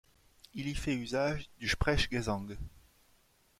Il y fait usage du Sprechgesang.